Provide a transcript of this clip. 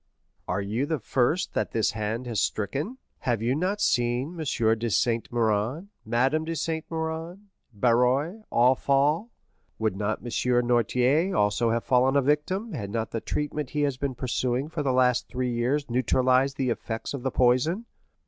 "Are you the first that this hand has stricken? Have you not seen M. de Saint Méran, Madame de Saint Méran, Barrois, all fall? Would not M. Noirtier also have fallen a victim, had not the treatment he has been pursuing for the last three years neutralized the effects of the poison?"